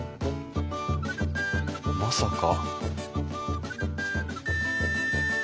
まさか。